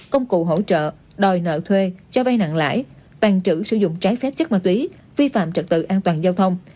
công cụ hỗ trợ đòi nợ thuê cho vay nặng lãi tàn trữ sử dụng trái phép chất ma túy vi phạm trật tự an toàn giao thông